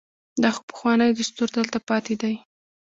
دا خو پخوانی دستور دلته پاتې دی.